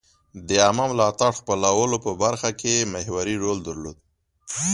د عامه ملاتړ خپلولو په برخه کې محوري رول درلود.